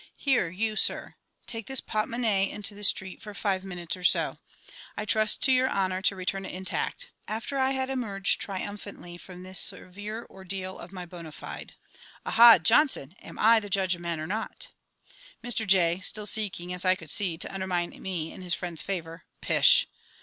_) Here, you, Sir, take this portemonnaie out into the street for five minutes or so, I trust to your honour to return it intact. (After I had emerged triumphantly from this severe ordeal of my ~bonâ fide~.) Aha, JOHNSON! am I the judge of men or not? Mr J. (still seeking, as I could see, to undermine me in his friend's favour). Pish!